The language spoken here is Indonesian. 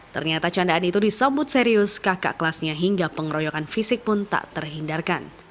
ternyata candaan itu disambut serius kakak kelasnya hingga pengeroyokan fisik pun tak terhindarkan